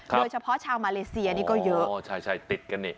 โดยเฉพาะชาวมาเลเซียนี่ก็เยอะอ๋อใช่ใช่ติดกันนี่